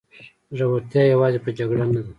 زړورتیا یوازې په جګړه نه ده.